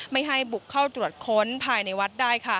ไม่ให้บุกเข้าตรวจค้นภายในวัดได้